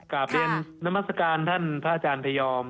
กลับเรียนนามัศกาลท่านพระอาจารย์พยอม